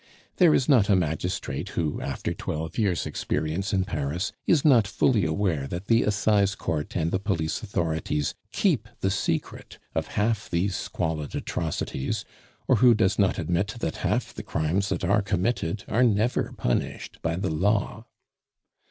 There is not a magistrate who, after twelve years' experience in Paris, is not fully aware that the Assize Court and the police authorities keep the secret of half these squalid atrocities, or who does not admit that half the crimes that are committed are never punished by the law.